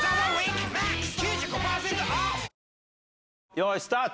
よいスタート！